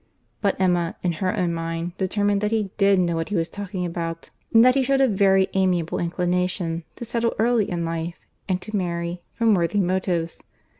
But Emma, in her own mind, determined that he did know what he was talking about, and that he shewed a very amiable inclination to settle early in life, and to marry, from worthy motives.